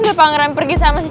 udah pangeran pergi sama si gio